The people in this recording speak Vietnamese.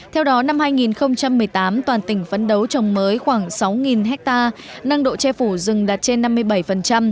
theo đó năm hai nghìn một mươi tám toàn tỉnh phấn đấu trồng mới khoảng sáu ha nâng độ che phủ rừng đạt trên năm mươi bảy